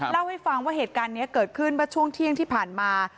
เล่าให้ฟังว่าเหตุการณ์นี้เกิดขึ้นเมื่อช่วงเที่ยงที่ผ่านมา